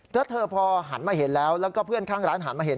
แล้วเธอพอหันมาเห็นแล้วแล้วก็เพื่อนข้างร้านหันมาเห็น